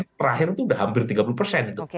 terakhir itu sudah hampir tiga puluh persen